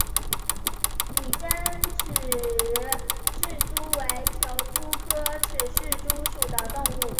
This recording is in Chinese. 拟珍齿螯蛛为球蛛科齿螯蛛属的动物。